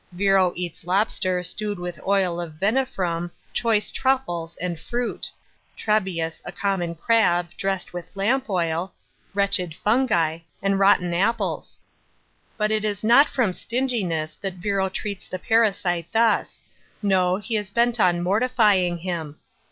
Virro eats lobster stewed with oil of Venafrum, choice truffles, and fruit ; Trebius a common crab, dressed with lamp oil, wretched fungi, and rotten •ipples. But it is not from stinginess that Virro treats the parasite thus ; no, he is bent on mortifying him.